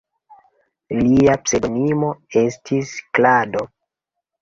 Lia pseŭdonimo estis "Klado".